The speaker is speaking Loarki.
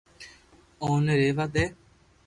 اوني رھيوا دي